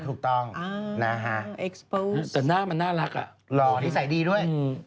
ถูกต้องนะฮะแต่หน้ามันน่ารักอ่ะหล่อนิสัยดีด้วย